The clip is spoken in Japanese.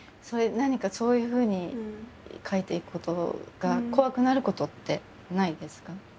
何かそういうふうに書いていくことが怖くなることってないですか？